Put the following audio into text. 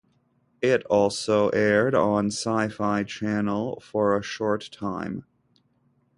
It also aired on Sci-Fi Channel for a short time.